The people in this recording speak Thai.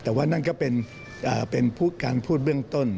แต่ว่านั่นก็เป็นการพูดเบื้องต้น